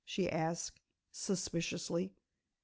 she asked suspiciously.